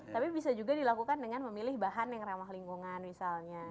tapi bisa juga dilakukan dengan memilih bahan yang ramah lingkungan misalnya